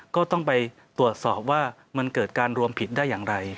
ก็ต้องไปตรวจสอบว่ามันเกิดการรวมผิดได้อย่างไร